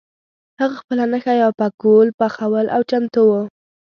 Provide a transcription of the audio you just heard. هغه خپله نښه یا پکول پخول او چمتو وو.